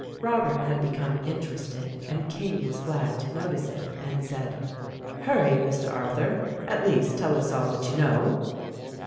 Robert had become interested and King was glad to notice it, and said, "Hurry, Mr. Arthur, at least tell us all that you know."